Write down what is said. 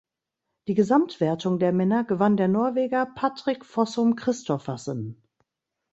Die Gesamtwertung der Männer gewann der Norweger Patrick Fossum Kristoffersen.